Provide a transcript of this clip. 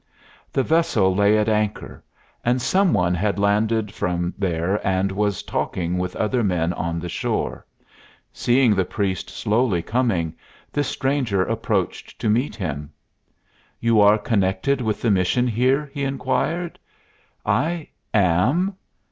The vessel lay at anchor, and some one had landed from ha and was talking with other men on the shore. Seeing the priest slowly coming, this stranger approached to meet him. "You are connected with the mission here?" he inquired. "I am."